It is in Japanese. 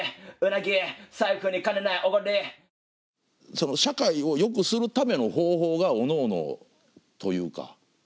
その社会をよくするための方法がおのおのというか。